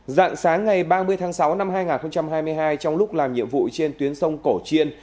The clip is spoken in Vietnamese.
dạng sáng ngày ba mươi tháng sáu năm hai nghìn hai mươi hai trong lúc làm nhiệm vụ trên tuyến sông cổ chiên